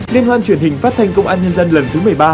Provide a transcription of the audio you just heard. liên hoan truyền hình phát thanh công an nhân dân lần thứ một mươi ba